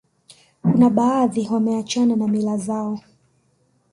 kuna baadhi wameachana na mila zao